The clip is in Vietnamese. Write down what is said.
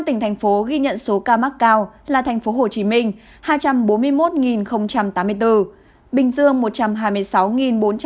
năm tỉnh thành phố ghi nhận số ca mắc cao là thành phố hồ chí minh hai trăm bốn mươi một tám mươi bốn bình dương một trăm hai mươi sáu bốn trăm linh tám